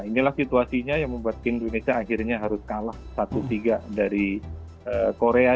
inilah situasinya yang membuat indonesia akhirnya harus kalah satu tiga dari korea